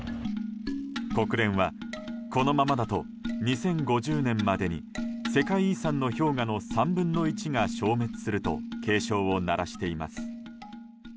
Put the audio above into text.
国連はこのままだと２０５０年までに世界遺産の氷河の３分の１が消滅すると警鐘を鳴らしています。